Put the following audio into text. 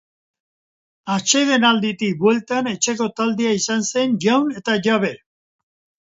Atsedenalditik bueltan etxeko taldea izan zen jaun eta jabe.